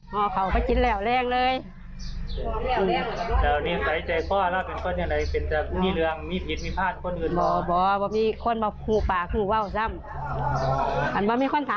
เมื่อเมื่อเมื่อเมื่อเมื่อ